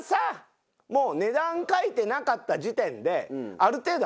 もう値段書いてなかった時点で。